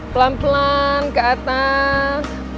pelan pelan ke atas